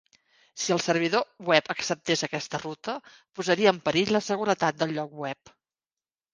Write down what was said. Si el servidor web acceptés aquesta ruta, posaria en perill la seguretat del lloc web.